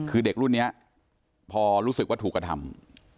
คือเด็กรุ่นนี้พอรู้สึกว่าถูกกระทำ